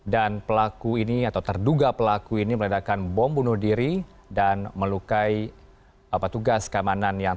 dan pelaku ini atau terduga pelaku ini meledakan bom bunuh diri dan melukai apa tugas keamanan yang